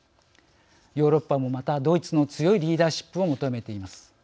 ヨーロッパもまたドイツの強いリーダーシップを求めています。